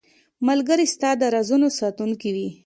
ملګری ستا د رازونو ساتونکی وي.